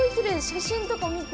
写真とか見て。